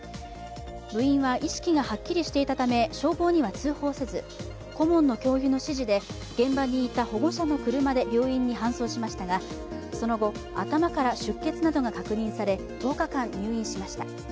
部員は意識がはっきりしていたため消防には通報せず、顧問の教諭の指示で現場にいた保護者の車で病院に搬送しましたがその後、頭から出血などが確認され１０日間、入院しました。